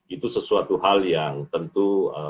itu sesuatu hal yang tentu